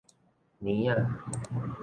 年仔